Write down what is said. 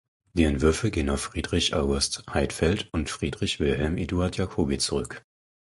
Die Entwürfe gehen auf Friedrich August Heidfeld und Friedrich Wilhelm Eduard Jacobi zurück.